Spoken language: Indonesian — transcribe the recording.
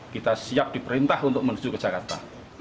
kita siap diperintah untuk menuju ke jakarta